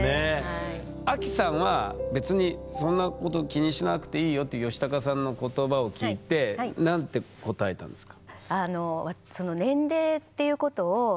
アキさんは別にそんなこと気にしなくていいよっていうヨシタカさんの言葉を聞いて何て答えたんですか？